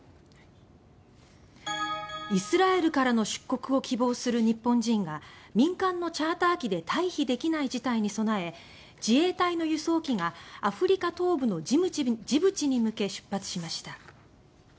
イスラエルからの出国を希望する日本人が民間のチャーター機で退避できない事態に備え自衛隊の輸送機がアフリカ東部のジブチに向け、出発しました。